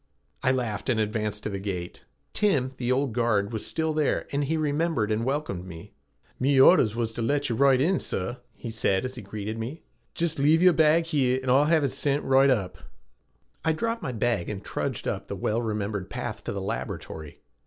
I laughed and advanced to the gate. Tim, the old guard, was still there, and he remembered and welcomed me. "Me ordhers wuz t' let yez roight in, sor," he said as he greeted me. "Jist lave ye'er bag here and Oi'll have ut sint roight up." I dropped my bag and trudged up the well remembered path to the laboratory.